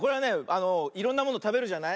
あのいろんなものたべるじゃない？